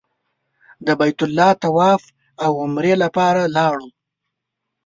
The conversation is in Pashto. د بیت الله طواف او عمرې لپاره لاړو.